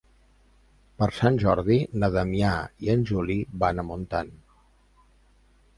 Per Sant Jordi na Damià i en Juli van a Montant.